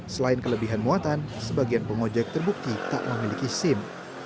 selain kelebihan muatan sebagian pengojek terbukti tak memiliki sim